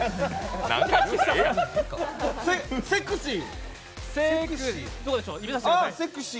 セクシー。